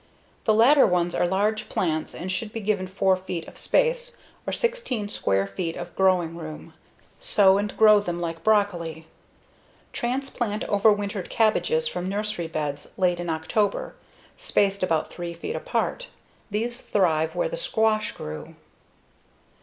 The later ones are large plants and should be given 4 feet of space or 16 square feet of growing room. Sow and grow them like broccoli. Transplant overwintered cabbages from nursery beds late in October, spaced about 3 feet apart; these thrive where the squash grew.